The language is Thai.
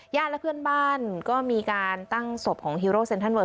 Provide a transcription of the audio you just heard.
และเพื่อนบ้านก็มีการตั้งศพของฮีโร่เซ็นทรัลเ